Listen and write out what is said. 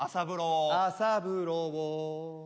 「朝風呂を」